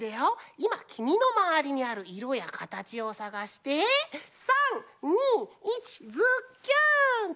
いまきみのまわりにあるいろやかたちをさがして「３！２！１！ズッキュン！」って